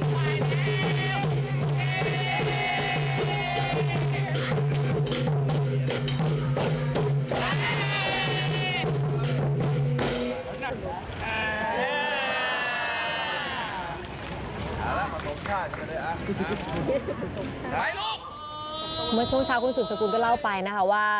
เมื่อช่วงเช้าคุณสืบสกุลก็เล่าไปนะคะว่า